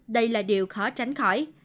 đây là điều khó tránh khỏi